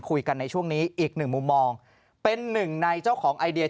ในช่วงนี้อีกหนึ่งมุมมองเป็นหนึ่งในเจ้าของไอเดีย